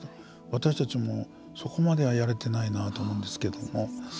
私たちも、そこまではやれてないなと思うんですけれども。